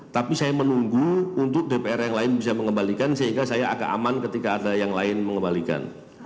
tapi saya menunggu untuk dpr yang lain bisa mengembalikan sehingga saya agak aman ketika ada yang lain mengembalikan